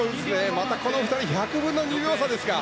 またこの２人１００分の２秒差ですか。